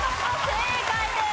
正解です。